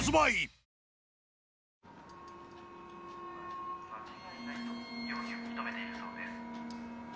間違いないと容疑を認めているそうです。